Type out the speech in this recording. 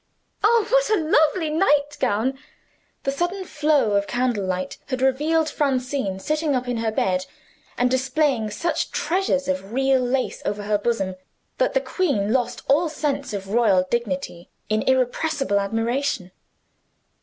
Oh, what a lovely nightgown!" The sudden flow of candle light had revealed Francine, sitting up in her bed, and displaying such treasures of real lace over her bosom that the queen lost all sense of royal dignity in irrepressible admiration.